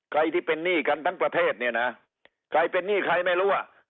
ใครที่เป็นหนี้กันทั้งประเทศเนี่ยนะใครเป็นหนี้ใครไม่รู้อ่ะ